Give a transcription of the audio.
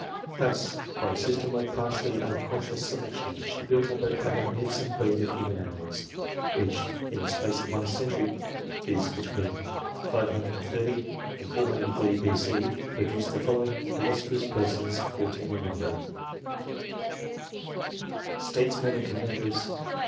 Thus, by a system of partly unconscious > selection, she built up a magnificent breed of human o animals, which, in the space of one century viz. between ' 53CT and 430 B.C. produced the following illustrious per v sons, fourteen in number : Statesmen and Commanders.